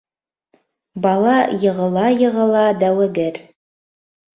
Бала йығыла-йығыла дәүегер.